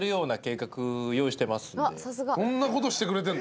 そんなことしてくれてんの？